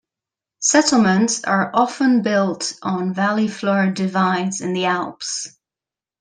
Settlements are often built on valley-floor divides in the Alps.